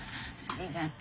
ありがと。